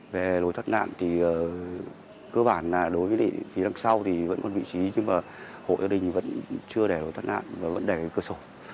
về lối thoát nạn cơ bản đối với phía đằng sau vẫn còn vị trí nhưng hội hội đình vẫn chưa để lối thoát nạn vẫn để cơ sổ